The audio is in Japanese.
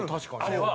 あれは。